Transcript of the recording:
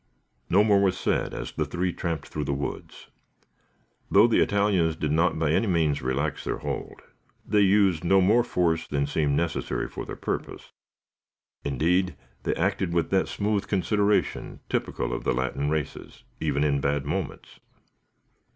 No more was said as the three tramped through the woods. Though the Italians did not by any means relax their hold, they used no more force than seemed necessary for their purpose. Indeed, they acted with that smooth consideration typical of the Latin races, even in bad moments.